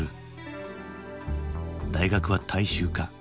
大学は大衆化。